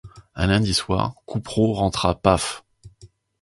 Un lundi soir, Coupeau rentra paf.